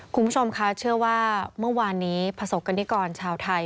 คุณผู้ชมคะเชื่อว่าเมื่อวานนี้ประสบกรณิกรชาวไทย